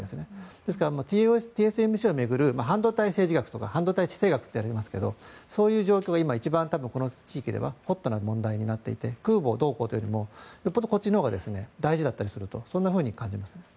ですからＴＳＭＣを巡る半導体政治学とか半導体地政学と言われていますがそういう状況が今、一番この地域ではホットな問題になっていて空母どうこうというよりもよほど、こっちのほうが大事だったりするというそんなふうに感じます。